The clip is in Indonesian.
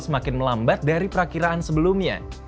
semakin melambat dari perakiraan sebelumnya